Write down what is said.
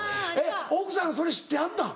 奥さんそれ知ってはったん？